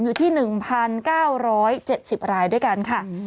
อยู่ที่๑๙๗๐รายด้วยกันค่ะ